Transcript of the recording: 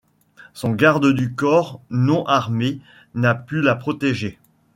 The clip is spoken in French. Son garde du corps, non armé, n'a pu la protéger.